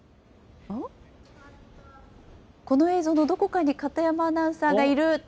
この映像のどこかに片山アナウンサーがいると？